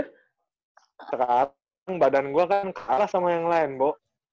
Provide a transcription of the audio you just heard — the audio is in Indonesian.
sekarang badan gue kan kalah sama yang lain bu